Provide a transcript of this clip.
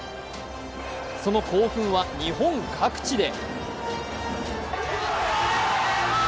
その興奮は日本各地で。